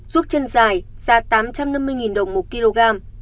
ruốc chân dài giá tám trăm năm mươi đồng một kg